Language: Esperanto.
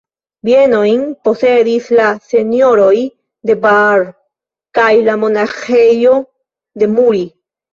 Bienojn posedis la Senjoroj de Baar kaj la Monaĥejo de Muri.